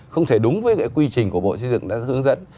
không thể đúng với cái quy trình của bộ xây dựng đã hướng dẫn